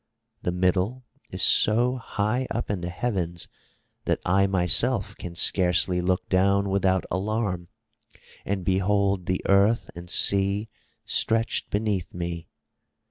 The middle is so high up in the heavens that I myself can scarcely look down without alarm and behold the earth and sea stretched beneath me.